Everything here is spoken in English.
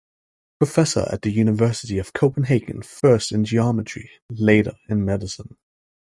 Professor at the University of Copenhagen, first in Geometry, later in Medicine.